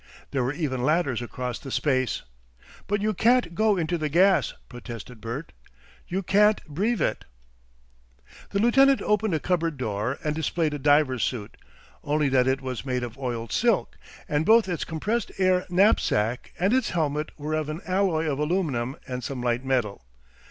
There were even ladders across the space. "But you can't go into the gas," protested Bert. "You can't breve it." The lieutenant opened a cupboard door and displayed a diver's suit, only that it was made of oiled silk, and both its compressed air knapsack and its helmet were of an alloy of aluminium and some light metal.